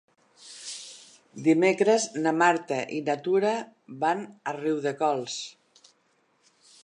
Dimecres na Marta i na Tura van a Riudecols.